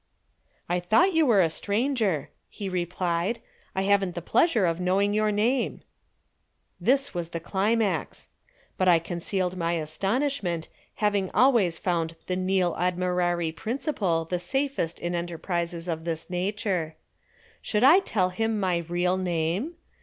_" "I thought you were a stranger," he replied. "I haven't the pleasure of knowing your name." This was the climax. But I concealed my astonishment, having always found the nil admirari principle the safest in enterprises of this nature. Should I tell him my real name?